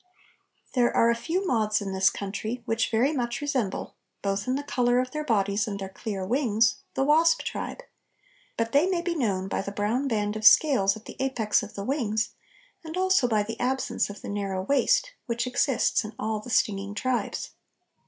There are a few moths in this country which very much resemble, both in the colour of their bodies and their clear wings, the wasp tribe, but they may be known by the brown band of scales at the apex of the wings and also by the absence of the narrow waist, which exists in all the stinging tribes.